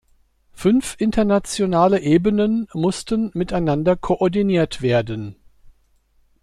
Fünf internationale Ebenen mussten miteinander koordiniert werden.